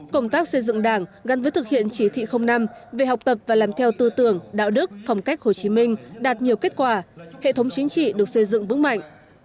công tác xây dựng đảng gắn với thực hiện chỉ thị năm về học tập và làm theo tư tưởng đạo đức phong cách hồ chí minh đạt nhiều kết quả hệ thống chính trị được xây dựng vững mạnh